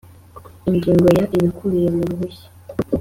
Ingingo ya ibikubiye mu ruhushya